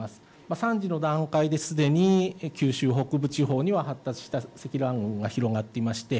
３時の段階ですでに九州北部地方には発達した積乱雲が広がっていました。